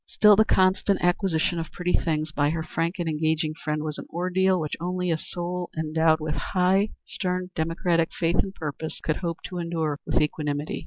Still the constant acquisition of pretty things by her frank and engaging friend was an ordeal which only a soul endowed with high, stern democratic faith and purpose could hope to endure with equanimity.